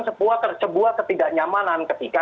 sebuah ketidaknyamanan ketika